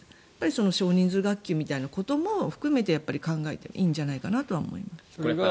少人数学級みたいなことも含めて考えていいんじゃないかと思います。